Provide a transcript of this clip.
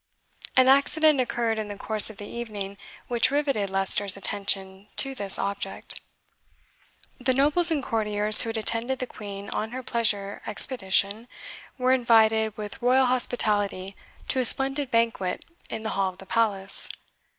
An accident occurred in the course of the evening which riveted Leicester's attention to this object. The nobles and courtiers who had attended the Queen on her pleasure expedition were invited, with royal hospitality, to a splendid banquet in the hall of the Palace.